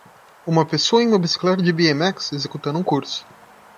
Uma pessoa em uma bicicleta de bmx? executando um curso.